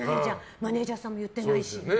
マネジャーさんも言ってないし。